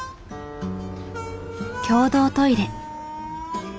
共同トイレ。